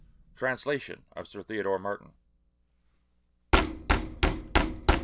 Translation of Sir Theodore Martin.